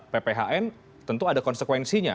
pphn tentu ada konsekuensinya